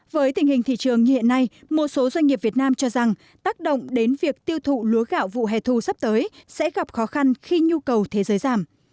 với tình hình thị trường như hiện nay một số doanh nghiệp việt nam cho rằng tác động đến việc tiêu thụ lúa gạo vụ hè thu sắp tới sẽ gặp khó khăn khi nhu cầu thế giới giảm